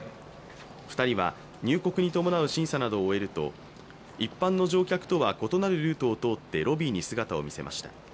２人は入国に伴う審査などを終えると一般の乗客とは異なるルートを通って、ロビーに姿を見せました。